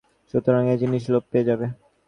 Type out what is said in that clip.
সুতরাং এ জিনিষ লোপ পেয়ে যাবে।